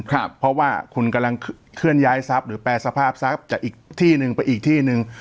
เพราะว่าคุณกำลังเคลื่อนย้ายทรัพย์หรือแปรสภาพทรัพย์จากอีกที่หนึ่งไปอีกที่หนึ่ง